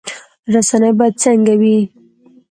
رسنۍ باید څنګه وي؟